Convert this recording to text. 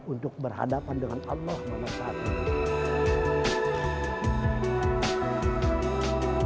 untuk berhadapan dengan allah swt